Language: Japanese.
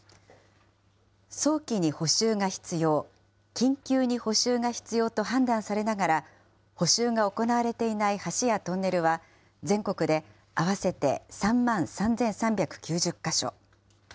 早期に補修が必要、緊急に補修が必要と判断されながら、補修が行われていない橋やトンネルは、全国で合わせて３万３３９０か所。